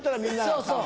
そうそう。